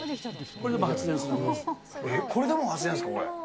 これでもう発電するんですか？